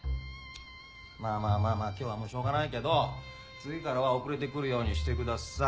まぁまぁ今日はもうしょうがないけど次からは遅れて来るようにしてください。